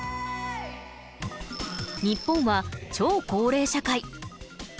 日本は超高齢社会。